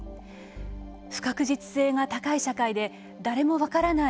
不確実性が高い社会で誰も分からない